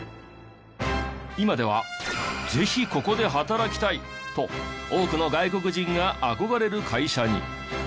今ではぜひここで働きたいと多くの外国人が憧れる会社に。